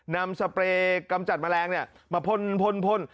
สเปรย์กำจัดแมลงมาพ่น